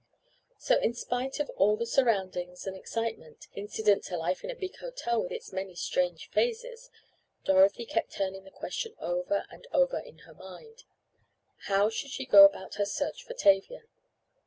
So, in spite of all the surroundings and excitement, incident to life in a big hotel with its many strange phases, Dorothy kept turning the question over and over in her mind. How should she go about her search for Tavia?